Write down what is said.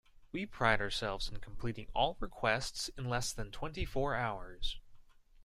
We pride ourselves in completing all requests in less than twenty four hours.